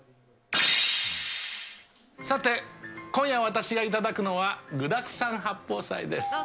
さて、今夜私がいただくたのは具だくさん八宝菜です。